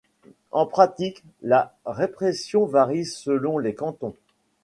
En pratique, la répression varie selon les cantons.